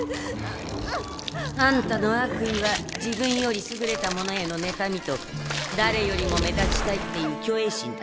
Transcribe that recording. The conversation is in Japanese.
あんたの悪意は自分よりすぐれたものへのねたみとだれよりも目立ちたいっていう虚栄心だ。